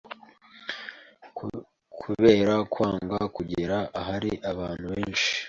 kubera kwanga kugera ahari abantu benshi,